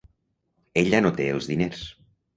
Ella no té els diners.